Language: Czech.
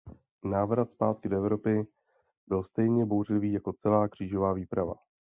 Návrat zpátky do Evropy byl stejně bouřlivý jako celá křížová výprava.